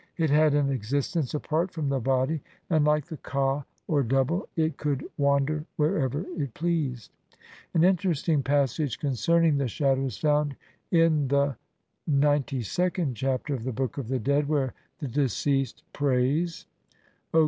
It had an existence apart from the body, and like the ka, or double, it could wander wherever it pleased. An interesting passage concerning the shadow is found in the XCIInd Chapter of the Book of the Dead where the deceased prays :— OSIRIS AND THE RESURRECTION.